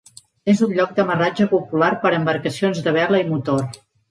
És un lloc d'amarratge popular per a embarcacions de vela i motor.